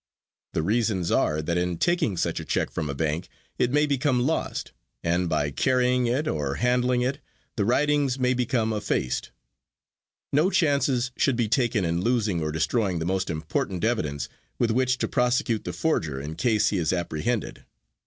The reasons are that in taking such a check from a bank it may become lost, and by carrying it or handling it the writings may become effaced. No chances should be taken in losing or destroying the most important evidence with which to prosecute the forger in case he is apprehended.